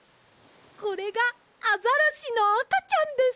これがアザラシのあかちゃんです。